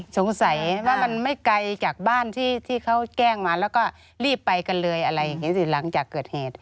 สงสัยว่ามันไม่ไกลจากบ้านที่เขาแจ้งมาแล้วก็รีบไปกันเลยอะไรอย่างนี้สิหลังจากเกิดเหตุ